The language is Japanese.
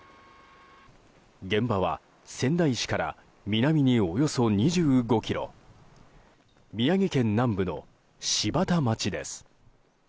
現場は、仙台市から南におよそ２５ｋｍ宮城県南部の柴田町です。